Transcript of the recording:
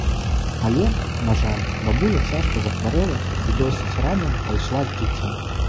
Але, на жаль, бабуля цяжка захварэла і досыць рана пайшла з жыцця.